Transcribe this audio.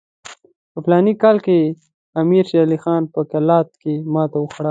په فلاني کال کې امیر شېر علي خان په قلات کې ماته وخوړه.